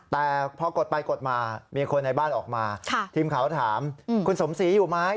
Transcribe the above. แต่พอกดไปกดมามีคนในบ้านออกมาทีมข่าวถามคุณสมศรีอยู่ไหม